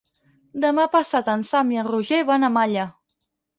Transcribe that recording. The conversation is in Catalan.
Demà passat en Sam i en Roger van a Malla.